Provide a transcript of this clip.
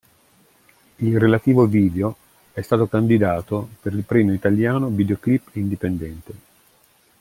Il relativo video è stato candidato per il Premio Italiano Videoclip Indipendente.